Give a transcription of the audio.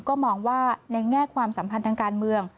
ก็มองว่าในแง่ความสัมพันธ์ทางการเมือง